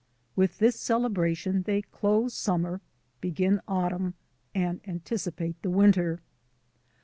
With this celebration they close summer, begin autumn, and anticipate the winter.